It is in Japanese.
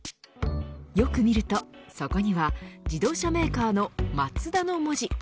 よく見ると、そこには自動車メーカーのＭＡＺＤＡの文字。